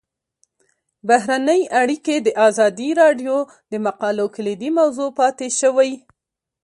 بهرنۍ اړیکې د ازادي راډیو د مقالو کلیدي موضوع پاتې شوی.